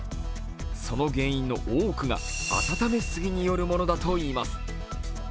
その原因の多くが温め過ぎによるものだといいます。